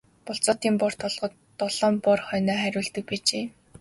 Болзоотын бор толгойд долоон бор хонио хариулдаг байжээ.